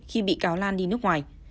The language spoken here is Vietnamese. khi bị cáo lan đi nước ngoài